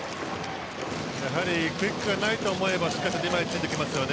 クイックがないと思えばしっかりと前についてきますよね。